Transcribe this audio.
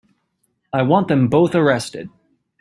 I want them both arrested.